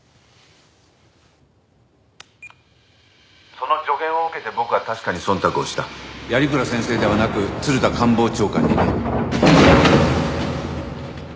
「その助言を受けて僕は確かに忖度をした」「鑓鞍先生ではなく鶴田官房長官にね」